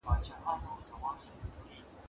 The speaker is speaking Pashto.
شنه چای روغتيا ته ښه دی.